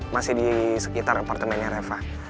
masih di sekitar apartemennya reva